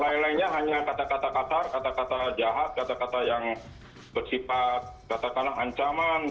lain lainnya hanya kata kata kasar kata kata jahat kata kata yang bersifat katakanlah ancaman